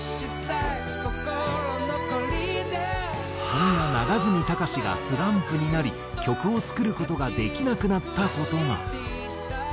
そんな永積崇がスランプになり曲を作る事ができなくなった事が。